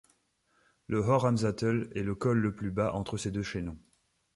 Le Hochalmsattel est le col le plus bas entre ces deux chaînons.